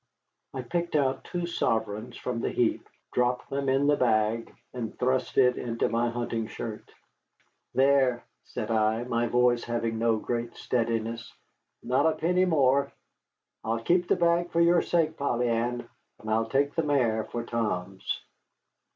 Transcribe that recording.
I picked out two sovereigns from the heap, dropped them in the bag, and thrust it into my hunting shirt. "There," said I, my voice having no great steadiness, "not a penny more. I'll keep the bag for your sake, Polly Ann, and I'll take the mare for Tom's."